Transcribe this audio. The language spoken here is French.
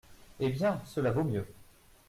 Eh bien ! cela vaut mieux.